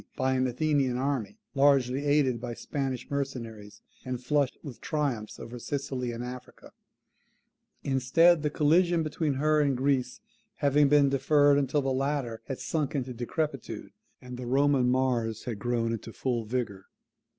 by an Athenian army, largely aided by Spanish mercenaries, and flushed with triumphs over Sicily and Africa; instead of the collision between her and Greece having been deferred until the latter had sunk into decrepitude, and the Roman Mars had grown into full vigour.